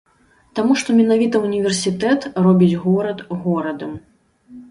Таму што менавіта універсітэт робіць горад горадам.